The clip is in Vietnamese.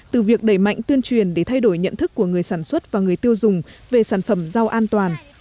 từ việc đẩy mạnh tuyên truyền để thay đổi nhận thức của người sản xuất và người tiêu dùng về sản phẩm rau an toàn